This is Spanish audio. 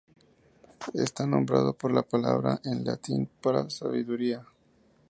Está nombrado por la palabra en latín para "sabiduría".